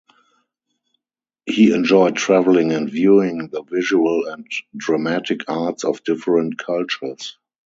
He enjoyed traveling and viewing the visual and dramatic arts of different cultures.